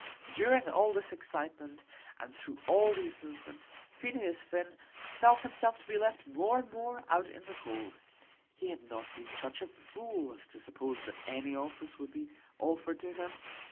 During all this excitement, and through all these movements, Phineas Finn felt himself to be left more and more out in the cold. He had not been such a fool as to suppose that any office would be offered to him.